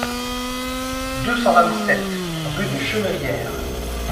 deux cent vingt-sept rue de Chenevière